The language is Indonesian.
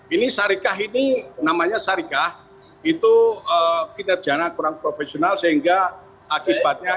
ini syarikah ini namanya syarikah itu kinerjanya kurang profesional sehingga akibatnya